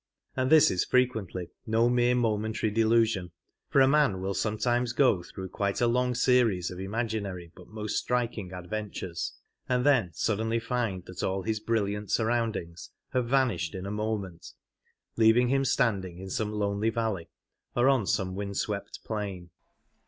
And this is frequently no mere momentary delusion, for a man will sometimes go through quite a long series of imaginary but most striking adventures, and then suddenly find that all his brilliant sur roundings have vanished in a moment, leaving him standing in some lonely valley or on some wind swept plain.